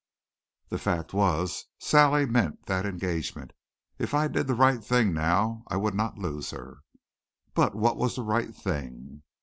The fact was, Sally meant that engagement. If I did the right thing now I would not lose her. But what was the right thing?